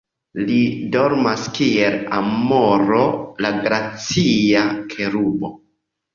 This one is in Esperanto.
Li dormas kiel amoro, la gracia kerubo.